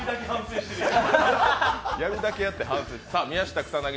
やるだけやって反省して。